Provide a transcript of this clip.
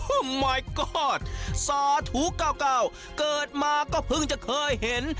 หมายกอดสาธุ๙๙เกิดมาก็เพิ่งจะเคยเห็น